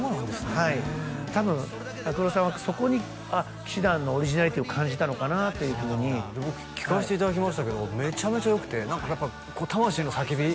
はい多分ＴＡＫＵＲＯさんはそこに氣志團のオリジナリティーを感じたのかなというふうに僕聴かせていただきましたけどめちゃめちゃよくて何かやっぱ魂の叫び？